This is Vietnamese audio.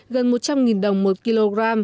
gần một trăm linh đồng một kg